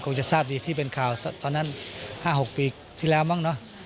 จะทราบดีที่เป็นข่าวตอนนั้น๕๖ปีที่แล้วมั้งเนอะ